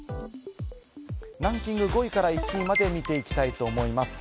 ランキング５位から１位、見ていきたいと思います。